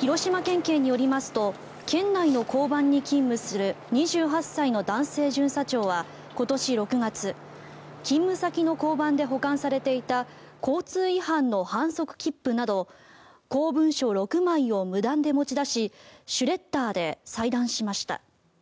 広島県警によりますと県内の交番に勤務する２８歳の男性巡査長は今年６月勤務先の交番で保管されていた交通違反の反則切符など公文書６枚を無断で持ち出しシュレッダーで裁断しました。